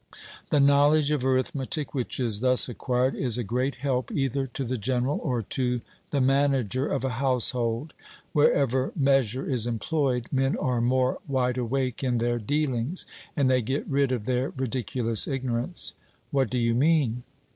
The knowledge of arithmetic which is thus acquired is a great help, either to the general or to the manager of a household; wherever measure is employed, men are more wide awake in their dealings, and they get rid of their ridiculous ignorance. 'What do you mean?'